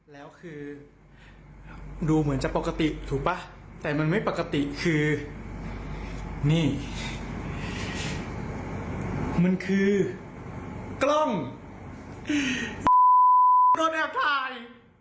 แล้วคือดูเหมือนจะปกติถูกป่ะแต่มันไม่ปกติคือนี่มันคือกล้องรถถ่าย